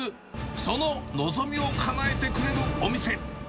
その望みをかなえてくれるお店。